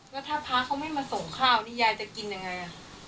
แล้วถ้าพระเขาไม่มาส่งข้าวนี่ยายจะกินยังไง